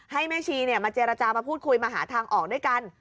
ให้แม่ชีมาเจรจามาพูดคุยมาหาทางออกด้วยกัน